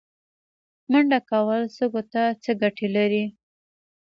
منډه کول سږو ته څه ګټه لري؟